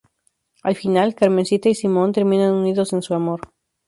Al final, Carmencita y Simón terminan unidos en su amor.